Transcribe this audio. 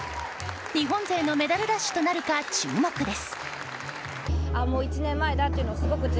日本勢のメダルラッシュとなるか注目です。